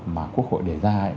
mà quốc hội để ra